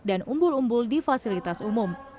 dan umbul umbul di fasilitas umum